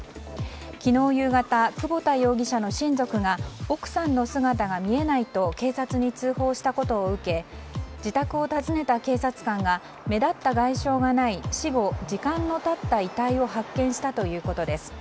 昨日夕方、窪田容疑者の親族が奥さんの姿が見えないと警察に通報したこと受け自宅を訪ねた警察官が目立った外傷がない死後時間の経った遺体を発見したということです。